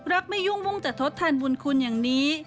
ไม่ยุ่งวุ่งจะทดแทนบุญคุณอย่างนี้